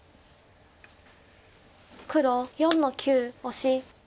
黒４の九オシ。